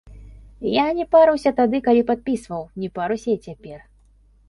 Я не парыўся тады, калі падпісваў, не паруся і цяпер.